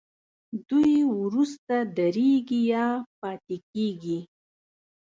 دوی وروسته درېږي یا پاتې کیږي.